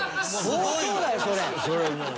相当だよそれ。